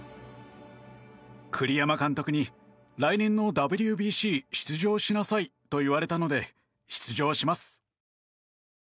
栗山監督に来年のＷＢＣ出場しなさいと言われたので出場します。